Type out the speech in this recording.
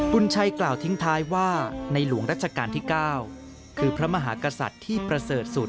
บุญชัยกล่าวทิ้งท้ายว่าในหลวงรัชกาลที่๙คือพระมหากษัตริย์ที่ประเสริฐสุด